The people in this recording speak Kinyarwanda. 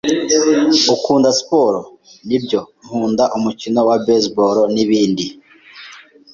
"Ukunda siporo?" "Nibyo, nkunda umukino wa baseball, n'ibindi."